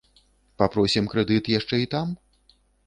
Папросім крэдыт яшчэ і там?